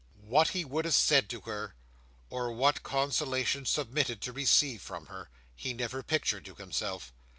What he would have said to her, or what consolation submitted to receive from her, he never pictured to himself.